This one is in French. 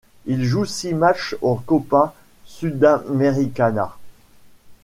Il joue six matchs en Copa Sudamericana.